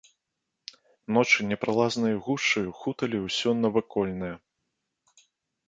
Ночы непралазнаю гушчаю хуталі ўсё вакольнае.